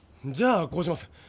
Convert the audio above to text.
じゃあこうします。